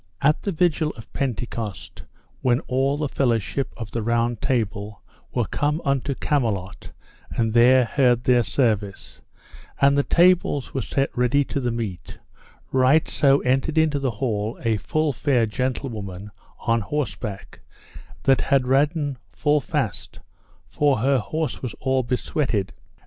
At the vigil of Pentecost, when all the fellowship of the Round Table were come unto Camelot and there heard their service, and the tables were set ready to the meat, right so entered into the hall a full fair gentlewoman on horseback, that had ridden full fast, for her horse was all besweated.